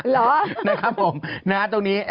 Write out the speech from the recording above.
เหรอนะครับผมนะฮะตรงนี้